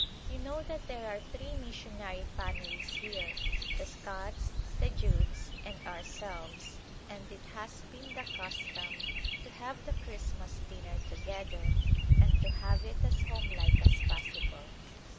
You know that there are three missionary families here, the Scotts, the Judds and ourselves, and it has been the custom to have the Christmas dinner together and to have it as homelike as possible.